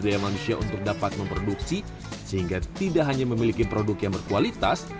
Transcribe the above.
daya manusia untuk dapat memproduksi sehingga tidak hanya memiliki produk yang berkualitas